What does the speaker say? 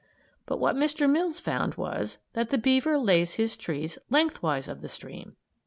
But what Mr. Mills found was that the beaver lays his trees lengthwise of the stream.